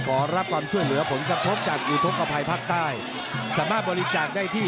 ขอรับความช่วยเหลือผลกระทบจากอุทธกภัยภาคใต้สามารถบริจาคได้ที่